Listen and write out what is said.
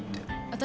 私